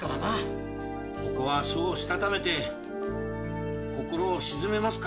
ここは書をしたためて心を静めますか。